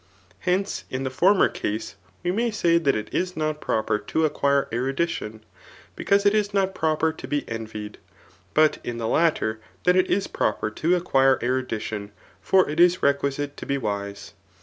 Hence, in the former case we may say that it is not proper to ac<p quire erudition, because it is not proper to , be envied; ^d in the latter, that it is proper to acquire erudidon, for it is requisite to be wise.